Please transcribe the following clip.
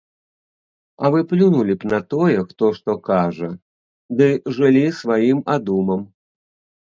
А вы плюнулі б на тое, хто што кажа, ды жылі сваім адумам.